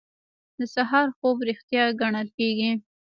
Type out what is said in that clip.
د سهار خوب ریښتیا ګڼل کیږي.